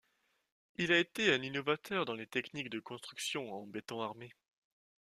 Il a été un innovateur dans les techniques de construction en béton armé.